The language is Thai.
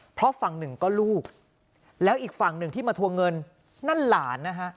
เพราะฝั่งหนึ่งก็ลูกแล้วอีกฝั่งหนึ่งที่มาทวงเงินนั่นหลานนะฮะ